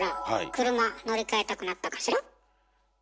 車乗り換えたくなったかしら？